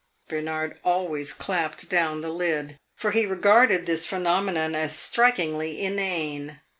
Bernard always clapped down the lid, for he regarded this phenomenon as strikingly inane.